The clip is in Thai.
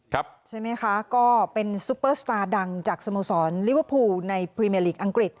ใช่ไหมคะก็เป็นซุปเปอร์สตาร์ดังจากสโมสรลิเวอร์พูลในพรีเมอร์ลีกอังกฤษ